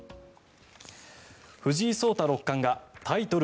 藤井聡太六冠がタイトル